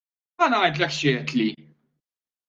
Ħa ngħidlek x'għedtli!